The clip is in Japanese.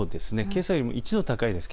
けさよりも１度高いです。